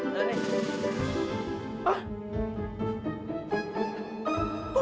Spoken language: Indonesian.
gak ada waktu